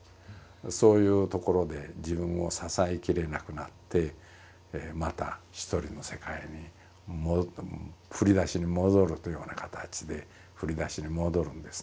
そういうところで自分を支えきれなくなってまたひとりの世界に振り出しに戻るというような形で振り出しに戻るんですね。